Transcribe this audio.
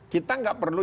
kita gak perlu